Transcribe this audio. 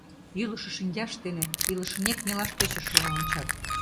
Йӱлышӧ шинчашт дене илышынек нелаш тӧчышыла ончат.